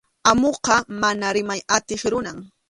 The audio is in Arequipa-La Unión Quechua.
Amuqa mana rimay atiq runam.